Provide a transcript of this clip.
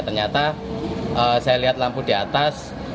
ternyata saya lihat lampu di atas